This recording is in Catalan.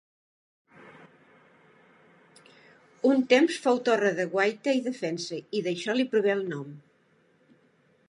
Un temps fou torre de guaita i defensa i d'això li prové el nom.